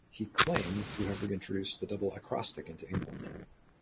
He claimed to have reintroduced the double acrostic into England.